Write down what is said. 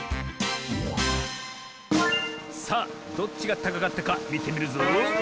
さあどっちがたかかったかみてみるぞ。